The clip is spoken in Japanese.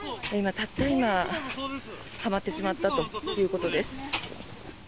たった今、はまってしまったということです。